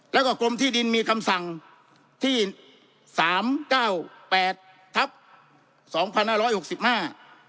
แล้วก็กรมที่ดินมีคำสั่งที่สามเก้าแปดทับสองพันห้าร้อยหกสิบห้า